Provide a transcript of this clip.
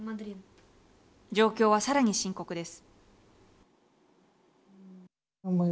状況は、さらに深刻です。